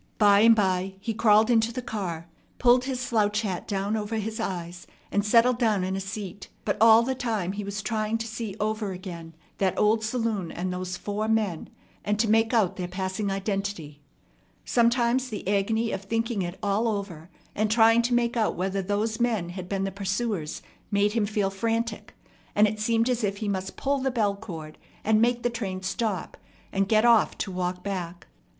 By and by he crawled into the car, pulled his slouch hat down over his eyes, and settled down in a seat; but all the time he was trying to see over again that old saloon and those four men, and to make out their passing identity. Sometimes the agony of thinking it all over, and trying to make out whether those men had been the pursuers, made him feel frantic; and it seemed as if he must pull the bell cord, and make the train stop, and get off to walk back.